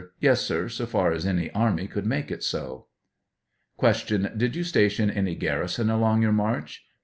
Yes, sir; so far as any army could make it so. Q. Did you station any garrison along your march